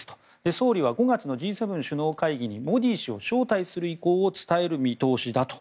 総理は５月のＧ７首脳会議にモディ氏を招待する意向を伝える見通しだと。